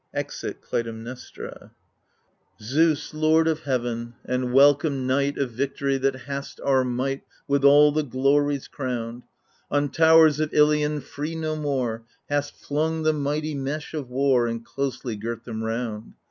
\Exit Clytemnestra, c d i8 AGAMEMNON Zeus, Lord of heaven ! and welcome night Of victory, that hast our might With all the glories crowned 1 On towers of Ilion, free no more, Hast flung the mighty mesh of war, And closely girt them round.